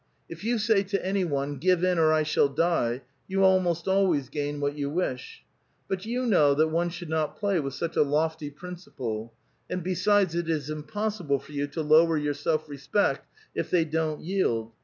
If you say to any one, 'Give in, or I shall die,' you almost always gain what you wish. But you know that one should not play with such a lofty principle ; and besides, it is im possible for you to lower your self respect if they don't yield.